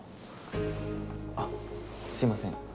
あっすいません。